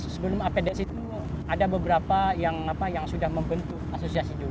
sebelum apds itu ada beberapa yang sudah membentuk asosiasi dulu